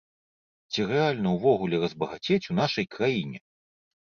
Ці рэальна ўвогуле разбагацець у нашай краіне?